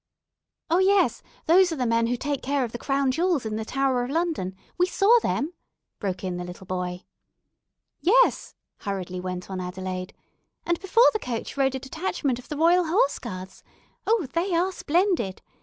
"Oh, those are the men who take care of the Crown Jewels in the Tower of London. We saw them," broke in the little boy. "Yes," hurriedly went on Adelaide, "and before the coach rode a detachment of the Royal Horse Guards. Oh, they are splendid!